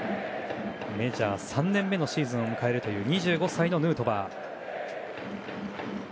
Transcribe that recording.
メジャー３年目のシーズンを迎える２５歳のヌートバー。